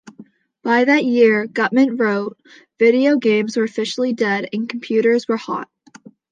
By that year, Gutman wrote, "Video games were officially dead and computers were hot".